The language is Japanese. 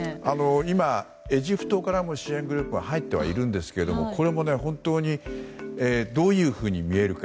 今、エジプトからも支援グループが入っているんですがこれも本当にどういうふうに見えるか。